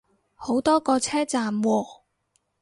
好多個車站喎